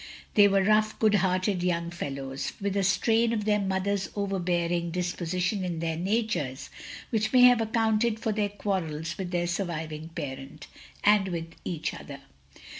They were rough, good hearted young fellow^ with a strain of their mother's overbearing dis position in their natures which may have accounted for their quarrels with their surviving parent, and with each other.